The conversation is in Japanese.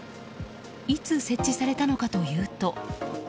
いつ設置されたのかというと。